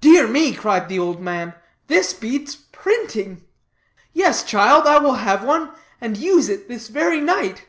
"Dear me," cried the old man, "this beats printing. Yes, child, I will have one, and use it this very night."